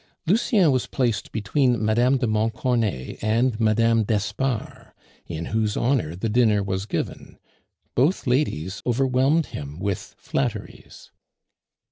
Lucien was placed between Mme. de Montcornet and Mme. d'Espard, in whose honor the dinner was given; both ladies overwhelmed him with flatteries.